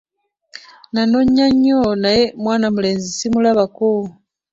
Nanoonya nyo naye nga mwana mulenzi simulabako.